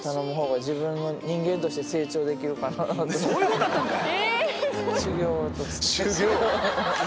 そういうことだったんかい